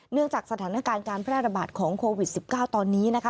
จากสถานการณ์การแพร่ระบาดของโควิด๑๙ตอนนี้นะคะ